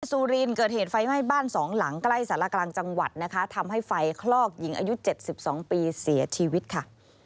สุรินเกิดเหตุไฟไหม้บ้านสองหลังใกล้สารกลางจังหวัดนะคะทำให้ไฟคลอกหญิงอายุ๗๒ปีเสียชีวิตค่ะ